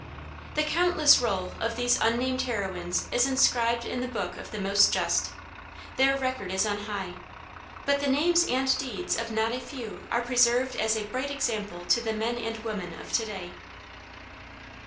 The countless roll of these unnamed heroines is inscribed in the Book of the Most Just. Their record is on high. But the names and deeds of not a few are preserved as a bright example to the men and women of to day.